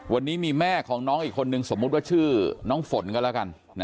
วันนี้มีแม่ของน้องอีกคนนึงสมมุติว่าชื่อน้องฝนก็แล้วกัน